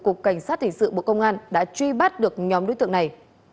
cục cảnh sát hình sự bộ công an đã truy bắt được nhóm đối tượng này